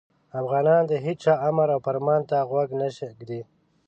افغانان د هیچا امر او فرمان ته غوږ نه ږدي.